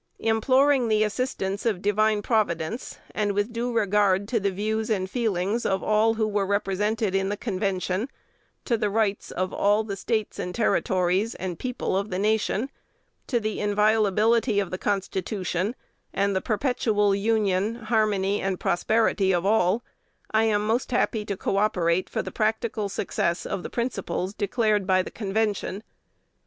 Imploring the assistance of Divine Providence, and with due regard to the views and feelings of all who were represented in the Convention; to the rights of all the States and Territories, and people of the nation; to the inviolability of the Constitution, and the perpetual union, harmony, and prosperity of all, I am most happy to co operate for the practical success of the principles declared by the Convention.